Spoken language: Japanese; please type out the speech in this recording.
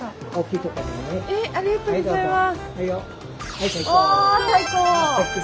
ありがとうございます。